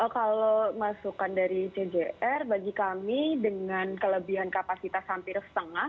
kalau masukan dari cgr bagi kami dengan kelebihan kapasitas hampir setengah